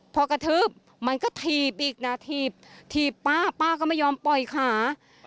พอกระทืบมันก็ถีบอีกนะถีบถีบป้าป้าก็ไม่ยอมปล่อยขา